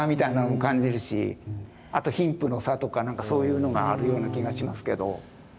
あと貧富の差とかそういうのがあるような気がしますけど。